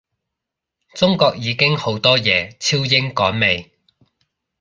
中國已經好多嘢超英趕美